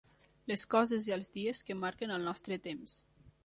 Les coses i els dies que marquen el nostre temps.